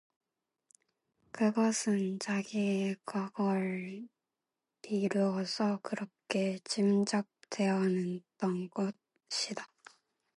그것은 자기의 과거를 미루어서 그렇게 짐작되었던 것이다.